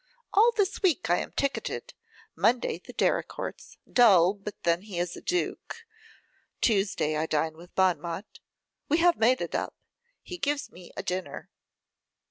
'All this week I am ticketed; Monday, the Derricourts, dull, but then he is a duke. Tuesday I dine with Bonmot; we have made it up; he gives me a dinner.